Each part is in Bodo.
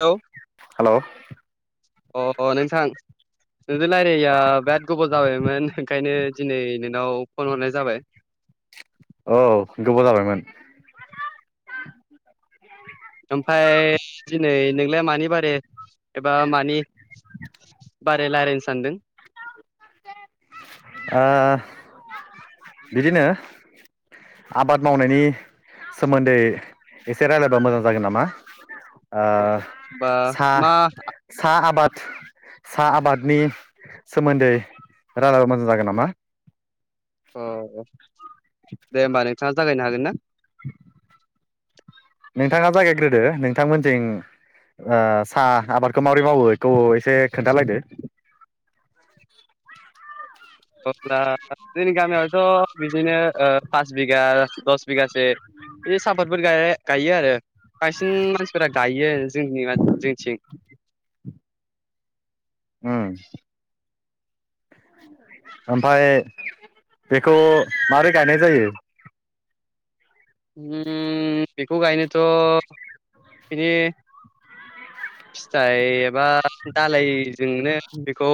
लौ हेलौ अ नोंथां नोंजो रायलायैया बिराद गोबाव जाबायमोन ओंखायनो दिनै नोंनाव फन हरनाय जाबाय। औ गोबाव जाबायमोन। ओमफाय दिनै नोंलाय मानि बारे एबा मानि बारे रायलायनो सानदों? [unintelligible] ओ बिदिनो आबाद मावनायनि सोमोन्दै एसे रायलायबा मोजां जागोन नामा? ओ अ बा सा मा सा आबाद सा आबादनि सोमोन्दै रायलाबा मोजां जागोन नामा? अ दे होमबा नोंथाङा जागायनो हागोन ना? [unintelligible] नोंथाङा जागायग्रोदो नोंथांमोनजों ओ सा आबादखौ माब्रै मावो एखौ एसे खोन्थालायदो। [unintelligible] जोंनि गामियावथ' बिदिनो ओ पास बिगा दस बिगासो ए साफातफोर गा-गायो आरो बांसिन मानसिफोरा गायो जोंनि मान जोंनिथिं। उम। ओमफाय बेखौ मारै गायनाय जायो? उमम बेखौ गायनोथ' बिदि फिथाइ एबा दालायजोंनो बेखौ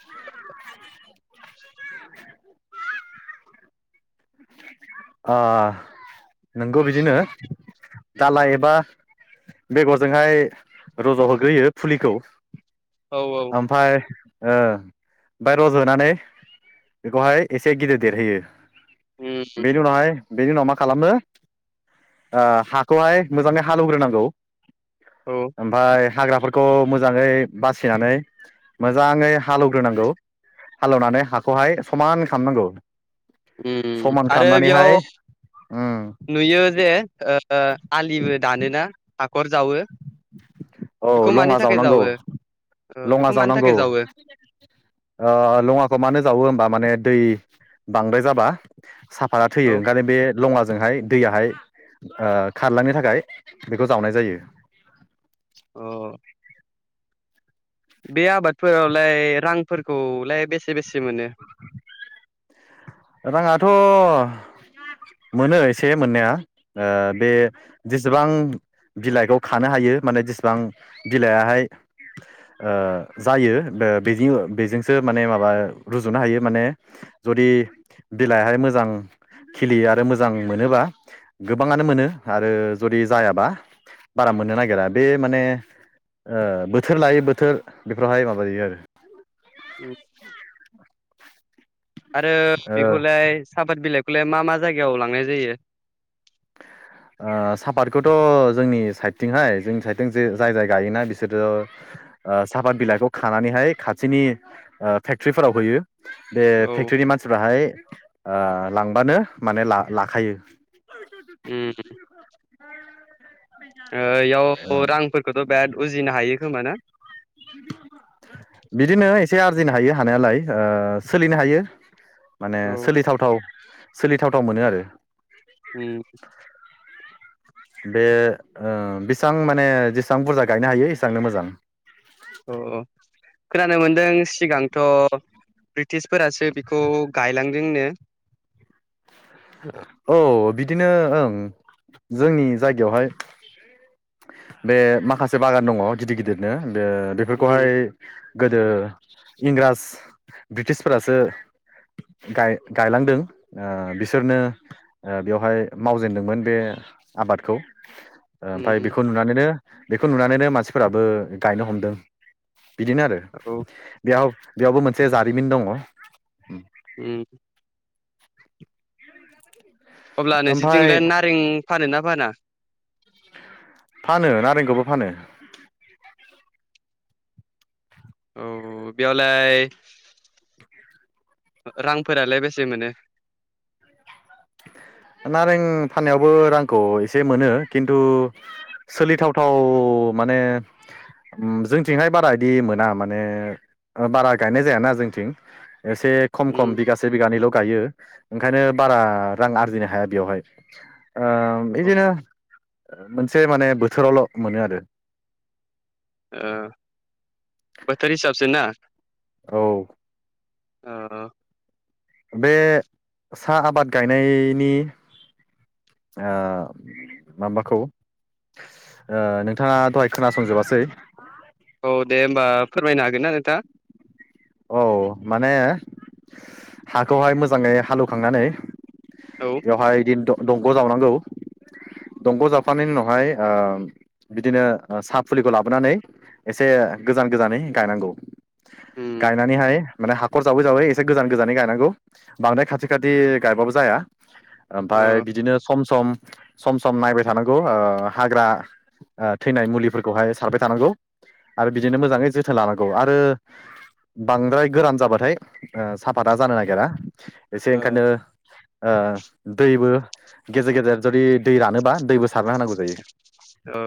[inaudible] आ नोंगौ बिदिनो दाला एबा बेगरजोंहाय रज' होग्रोयो फुलिखौ। औ औ आमफाय ओ ओमफाय रज'नानै बेखौहाय एसे गिदिर देरहोयो। उम बेनि उनावहाय बेनि उनाव मा खालामनो ओ हाखौहाय मोजाङै हालौग्रोनांगौ। औ। ओमफाय हाग्राफोरखौ मोजाङै बासिनानै मोजाङै हालौग्रोनांगौ। हालौनानै हाखौहाय समान खालामनांगौ। उमम समान आरो बेयाव खालामनानैहाय उम नुयो जे ओ आलिबो दानोना हाखर जावो। औ बेखौ मानि लङा थाखाय जावनांगौ जावो ओ लङा बेखौ मानि थाखाय जावनांगौ जावो? ओ लङाखौ मानो जावो होमबा माने दै बांद्राय जाबा साफदा औ थैयो। ओंखायनो बे लङाजोंहाय दैयाहाय ओ खारलांनो थाखाय बेखौ जावनाय जायो। अ बे आबादफोरावलाय रांफोरखौलाय बेसे बेसे मोनो? राङाथ' मोनो एसे मोननाया ओ बे जेसेबां बिलाइखौ खानो हायो माने जेसिबां बिलाइयाहाय ओ जायो ओ बेनि बेजोंसो माने माबा रुजुनो हायो माने जुदि बिलाइहाय मोजां खिलियो आरो मोजां मोनोबा गोबाङानो मोनो आरो जुदि जायाबा बारा मोननो नागिरा। बे माने ओ बोथोर लायै बोथोर बेफोरावहाय माबा जायो आरो। उम आरो ओ बेखौलाय साफाद बिलाइखौलाय मा मा जायगायाव लांनाय जायो? ओ सापारखौथ' जोंनि साइडथिंहाय जोंनि साइडथिं जे जाय जाय गायोना बिसोरो ओ सापाद बिलाइखौ खानानैहाय खाथिनि ओ फेक्ट्रिफोराव होयो। बे औ फेक्ट्रिनि मानसिफोराहाय ओ लांबानो माने ला लाखायो। उम [unintelligible] ओ इयाव रांफोरखौथ' बिराद उजिनो हायो खोमा ना? बिदिनो एसे आरजिनो हायो हानायालाय ओ सोलिनो हायो। माने औ सोलिथावथाव सोलिथावथाव मोनो आरो उम बे ओ बेसां माने जेसां बुरजा गायनो हायो एसांनो मोजां अ अ खोनानो मोन्दों सिगांथ' ब्रिटिसफोरासो बिखौ गायलांदोंनो हो ओ औ बिदिनो ओं जोंनि जायगायावहाय बे माखासे बागान दङ गिदिर गिदिरनो बे उम बेफोरखौहाय गोदो इंराज ब्रिटिसफोरासो गाय गायलांदों ओ बिस सोरनो ओ बेवहाय मावजेनदोंमोन बे आबादखौ ओ ओमफाय उम बेखौ नुनानैनो बेखौ नुनानैनो मानसिफोराबो गायनो हमदों बिदिनो आरो। औ बेयाव बेयावबो मोनसे जारिमिन दङ। उम अब्ला ओमफ्राय नोंसोरथिंलाय नारें फानो ना फाना? फानो नारेंखौबो फानो। औ बेयावलाय ओ रांफोरालाय बेसे मोनो? ओ नारें फाननायावबो रांखौ एसे मोनो खिन्थु सोलिथावथाव माने उम जोंथिंहाय बारा इदि मोना माने ओ बारा गायनाय जायाना जोंथिं एसे खम उम खम बिगासे बिगानैल' गायो ओंखायनो बारा रां आरजिनो हाया बेवहाय। ओ औ इदिनो ओ मोनसे माने बोथोरावल' मोनो आरो ओ बोथोर हिसाबसो ना औ ओ ओ बे साहा आबाद गायनायनि ओ माबाखौ ओ नोंथाङा दहाय खोनासंजोबासै औ दे होमबा फोरमायनो हागोन ना नोंथां? औ माने हाखौहाय मोजाङै हालेवखांनानै औ बेवहाय दिनथ' दंग' जावनांगौ। दंग' जावखानायनि उनावहाय ओ बिदिनो ओ साहा फुलिखौ लाबोनानै एसे गोजान गोजानै गायनांगौ। उम गायनानैहाय माने हाखर जावै जावै एसे गोजान गोजानै गायनांगौ बांद्राय खाथि खाथि गायबाबो जाया। ओ ओमफाय बिदिनो सम सम सम सम नायबाय थानांगौ ओ हाग्रा ओ थैनाय मुलिफोरखौहाय सारबाय थानांगौ आरो बिदिनो मोजाङै जोथोन लानांगौ आरो बांद्राय गोरान जाबाथाय ओ साफाता जानो नागिरा एसे ओ ओंखायनो ओ दैबो गेजेर गेजेर जुदि दै रानोबा दैबो सारना होनांगौ जायो। ओ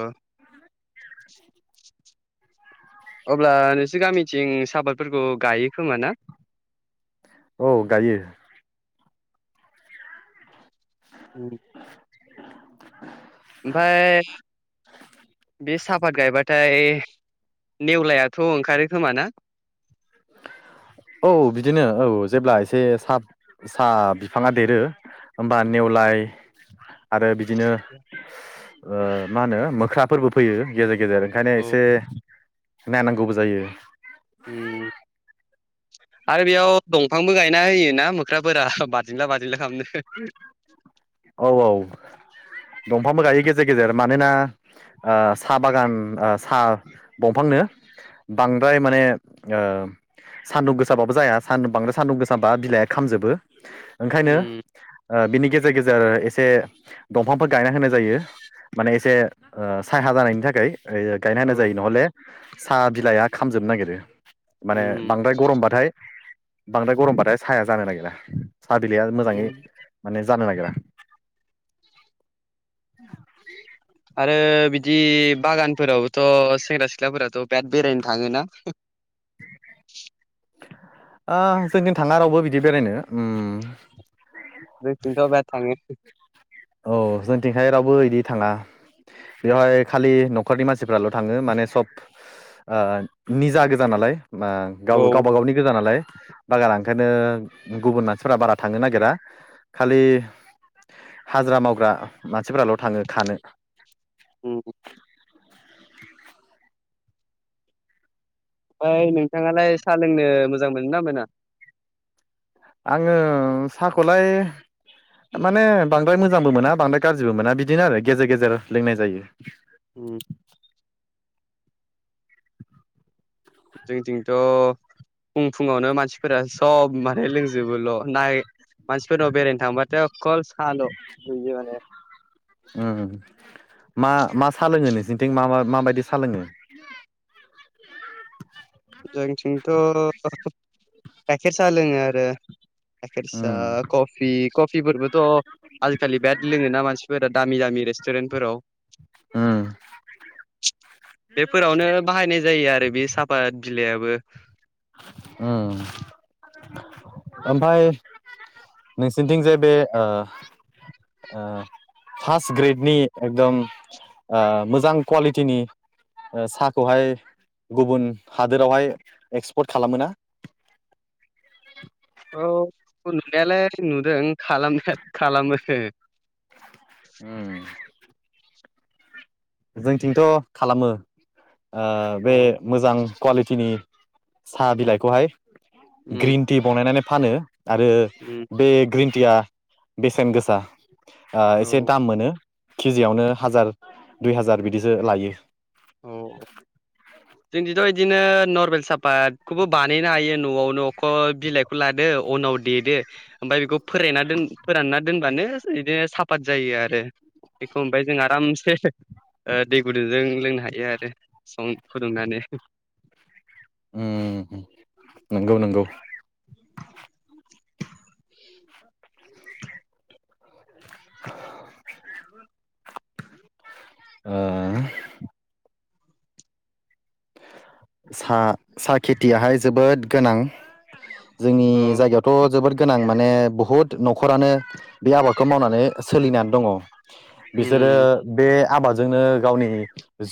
अब्ला नोंसोर गामिथिं साफादफोरखौ गायो खोमा ना? औ गायो। उम [inaudible] ओमफ्राय बे सापात गायबाथाय नेवलायाथ' ओंखारो खोमा ना? औ बिदिनो औ जेब्ला एसे साब साहा बिफाङा देरो होमबा नेवलाय आरो बिदिनो ओ मा होनो मोख्राफोरबो फैयो गेजेर गेजेर ओंखायनो औ एसे नायनांगौबो जायो। उम। आरो बेयाव दंफांबो गायना होयोना मोख्राफोरा बादिनला बादिंला खालामनो। औ औ दंफांबो गायो गेजेर गेजेर मानोना साहा बागान साहा बंफांनो बांद्राय माने ओ सान्दुं गोसाबो जाया सानदुं बांद्राय सान्दुं गोसाबा बिलाइआ खामजोबो। ओंखायनो उम बिनि गेजेर गेजेर ओ एसे दंफांफोर गायना होनाय जायो। माने एसे ओ सायहा जानायनि थाखाय ओइ। गायना होनाय औ जायो नहले साहा बिलाइआ खामजोबनो नागिरो। माने उम बांद्राय गरमबथाय बांद्राय गरमबाथाय साया जानो नागिरा। साहा बिलाइया मोजाङै उम। माने जानो नागिरा। [inaudible] आरो बिदि बागानफोरावबोथ' सेंग्रा सिख्लाफोराथ' बिराद बेरायनो थाङोना। आ जोंनिथिं थाङा रावबो बिदि बेरायनो ओम। जोंनिथिं थ' बेराद थांङो। औ जोंथिंहाय रावबो बिदि थाङा। बेवहाय खालि न'खरनि मानसिफ्राल' थाङो माने सब ओ निजा गोजा नालाय ओ गाव औ गावबा गावनि गोजा नालाय बागाना ओंखायनो गुबुन मानसिफोरा्रा बारा थांनो नागिरा। खालि हाजिरा मावग्रा मानसिफोराल' थाङो खानो। उम। ओमफ्राय नोंथाङालाय सा लोंनो मोजां मोनो ना मोना? आङो साहाखौलाय। माने बांद्राय मोजांबो मोना बांद्राय गाज्रिबो मोना बिदिनो आरो गेजेर गेजेर लोंनाय जायो। उ। जोंथिंथ' फुं फुङावनो मानसिफोरा सब माने लोंजोबोल' नाय मानसिफोरनाव बेरायनो थांबा खल साल नुयो माने। ओं मा-मा साोलोङो नोंसोरनिथिं मा-मा माबायदि साोलोङो? जोंथिंथ' गाइखेर साहा लोङो आरो। गायखेरसा उम कपि कपिफोरबोथ' आजिखालि बिराद लोङोना मानसिफोरा दामि दामि रेस्टुरेन्टफोराव। उम बेफोरावनो बाहायनाय जायो आरो बे साफ बिलाइआबो ओम। ओमफाय नोंसिनिथिं जे बे ओ। ओ फार्स्ट ग्रेडनि एकदम ओ मोजां कुवालिटिनि ओ साहाखौहाय गुबुन हादोरावहाय एक्सपर्ट खालामोना? औ नुनायालाय नुदों खालामनाय खालामो। ओम। जोंथिंथ' खालामो ओ बे मोजां कुवालिटिनि स बिलाखौ हाय उम ग्रिन टि बनायनानै फानो आरो उम बे ग्रिन टिया बेसेन गोसा ओ एसे औ दाम मोनो केजियावनो हाजार दुइ हाजार बिदिसो लायो। औ जोंदिथ' बिदिनो नर्मेल साफातखौबो बानायहनो हायो न'आवनो बिलाइखौ खौ लादो उनाव देदो ओमफ्राय बेखौ फोरानना दोन फोरानना दोनबानो बिदिनो साफात जायो आरो। बेखौ ओमफ्राय जों आरामसे ओ दै गुदुंजों लोंनो हायो आरो सं फुदुंनानै ओम ओम नंगौ नंगौ। [inaudible] ओ सा सा खेथियाहाय जोबोद गोनां जोंनि अ जायगायाव थ' जोबोद गोनां माने बहुद न'खरानो बे आबादखौ मावनानै सोलिनानै दङ। बिसोरो उम बे आबादजोंनो गावनि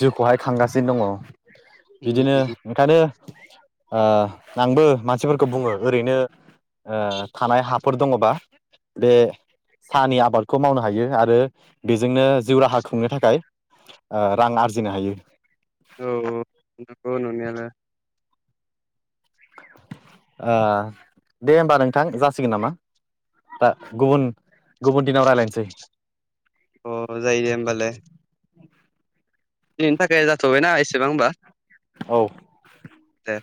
जिउखौहाय खांगासिनो दङ। उम बिदिनो ओंखायनो ओ आंबो मानसिफोरखौ बुङो ओरैनो ओ थानाय हाफोर दङबा बे साहानि आबादखौ मावनो हायो आरो बेजोंनो जिउ राहा खुंनो थाखाय ओ रां आरजिनो हायो। औ नंगौ नंनायालाय। ओ दे होमबा नोंथां जासिगोन नामा ओ गुबुन गुबुन दिनाव रायज्लायनोसै। अ जायो दे होमबालाय दिनैनि थाखाय जाथ'बायना एसेबां होमबा औ दे